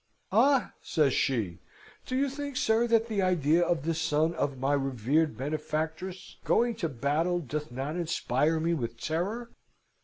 "'Ah!' says she, 'do you think, sir, that the idea of the son of my revered benefactress going to battle doth not inspire me with terror?